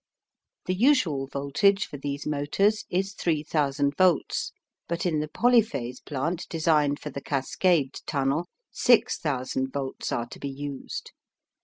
The usual voltage for these motors is 3,000 volts, but in the polyphase plant designed for the Cascade Tunnel 6,000 volts are to be used.